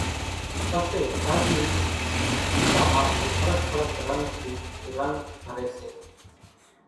پسي گھر نِي ڀينتان ماٿي ڦرق ڦرق رنڳ ٿي رنڳ ڀري سي